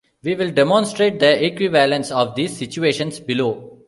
We will demonstrate the equivalence of these situations below.